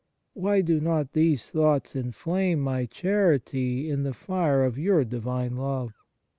Why do not these thoughts inflame my charity in the fire of your Divine love